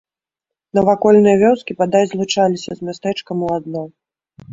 Навакольныя вёскі бадай злучаліся з мястэчкам у адно.